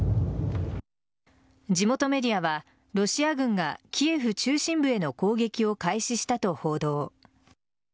地元メディアは、ロシア軍がキエフ中心部への攻撃を開始したと報道。